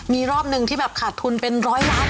มีรอบหนึ่งที่แบบขาดทุนเป็น๑๐๐ล้านก็เคยมาแล้วหรอ